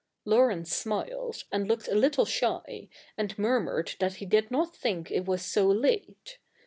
'* Laurence smiled, and looked a little shy, and mur mured that he did not think it was so late.